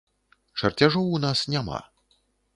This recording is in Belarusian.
Чарцяжоў у нас няма.